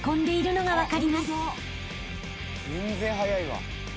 全然早いわ。